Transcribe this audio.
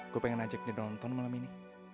gue pengen ajak nih nonton malam ini